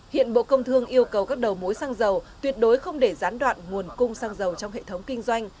hiện bộ công thương yêu cầu các đầu mối xăng dầu tuyệt đối không để gián đoạn nguồn cung xăng dầu trong hệ thống kinh doanh